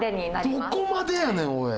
どこまでやねんおい！